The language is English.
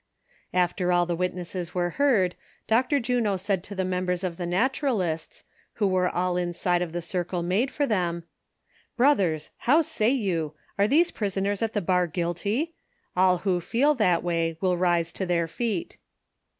After all the wit nesses were heard, Dr. Juno said to the members of the Naturalists, who were all inside of the circle made for them :" Brothers, how say you, are these prisoners at the bar guilty ? Ail who feel that way will rise to their feet."